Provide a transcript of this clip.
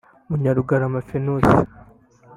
Munyarugarama Pheneas